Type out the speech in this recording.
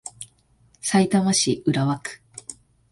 さいたま市浦和区